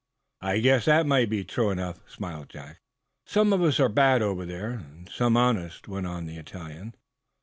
"I guess that may be true enough," smiled Jack, grimly. "Some of us are bad over there, and some honest," went on the Italian.